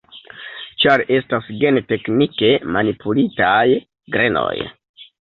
Ĉar estas genteknike manipulitaj grenoj.